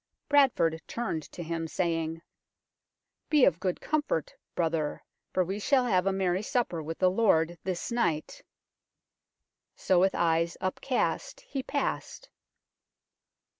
Bradford turned to him, saying, "Be of good comfort, brother, for we shall have a merry supper with the Lord this night." So with eyes upcast he passed.